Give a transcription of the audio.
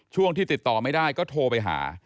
ช่วงที่ติดต่อไม่ได้ก็โทรไปหา